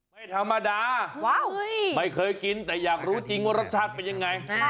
ไม่ธรรมดาไม่เคยกินแต่อยากรู้จริงว่ารสชาติเป็นยังไง